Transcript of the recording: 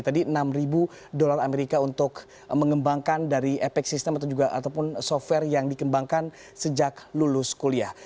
tadi enam ribu dolar amerika untuk mengembangkan dari epex system ataupun software yang dikembangkan sejak lulus kuliah